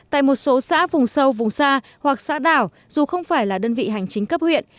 tại một số xã vùng sâu vùng xa hoặc xã đảo dù không phải là đơn vị hành chính cấp huyện